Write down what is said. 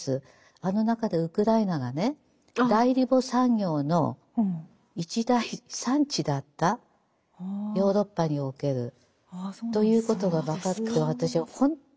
あの中でウクライナがね代理母産業の一大産地だったヨーロッパにおけるということが分かって私は本当に恐れおののきました。